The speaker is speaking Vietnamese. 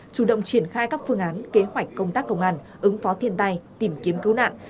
chủ động triển khai các phương án kế hoạch công tác công an ứng phó thiên tai tìm kiếm cứu nạn